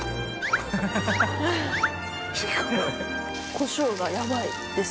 コショウがヤバイです。